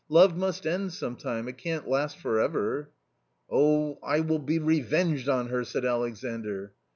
Love must end some time ; it can't last for ever." " .Oh, I will be revenged on her !" said Alexandr.